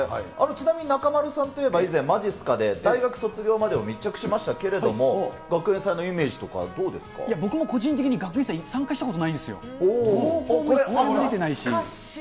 ちなみに中丸さんといえば以前、まじっすかで、大学卒業までを密着しましたけれども、学園祭のイ僕も個人的に学園祭、参加しこれ。